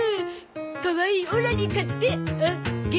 かわいいオラに買ってあげて！